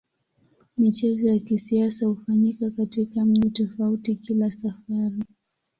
Michezo ya kisasa hufanyika katika mji tofauti kila safari.